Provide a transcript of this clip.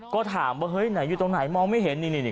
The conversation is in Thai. ก็ถามว่าเฮ้ยไหนอยู่ตรงไหนมองไม่เห็นนี่